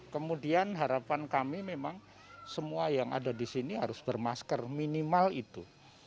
kemudian harapan kami memang semua yang ada di sini harus bermasker minimal itu